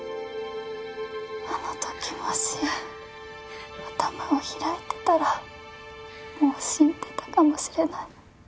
あのときもし頭を開いてたらもう死んでたかもしれない。